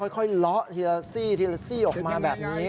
เลาะทีละซี่ทีละซี่ออกมาแบบนี้